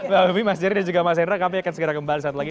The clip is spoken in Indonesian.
mbak wi mas jerry dan juga mas hendra kami akan segera kembali saat lagi